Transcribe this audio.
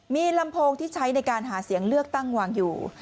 มีลำโพงที่ใช้ในการหาเสียงเลือกตั้งวางอยู่